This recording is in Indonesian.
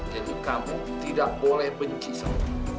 jadi kamu tidak boleh benci sama siapa